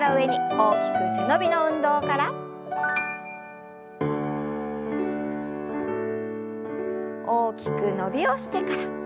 大きく伸びをしてから。